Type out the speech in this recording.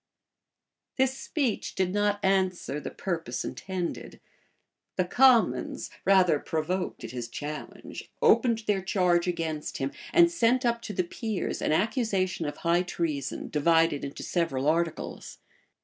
[*] This speech did not answer the purpose intended. The commons, rather provoked at his challenge, opened their charge against him, and sent up to the peers an accusation of high treason, divided into several articles.